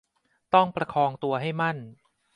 ต้องประคองตัวให้มั่น